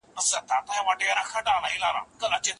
صداقت تر هر څه ښه سياست دی.